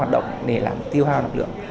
để làm tiêu hào lực lượng